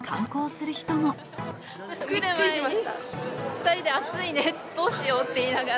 ２人で暑いね、どうしようって言いながら。